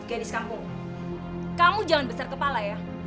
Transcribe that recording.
hei genis kampung kamu jangan besar kepala ya